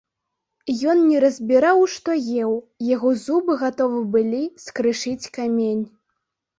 Ён не разбіраў, што еў, яго зубы гатовы былі скрышыць камень.